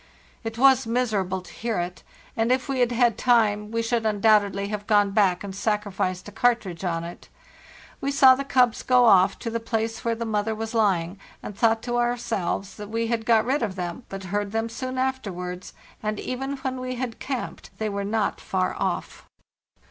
It was miserable to hear it; and if we had had time we should undoubtedly have gone back and sacri ficed a cartridge on it. We saw the cubs go off to the place where the mother was lying, and thought to our selves that we had got rid of them, but heard them soon afterwards, and even when we had camped they were not far off.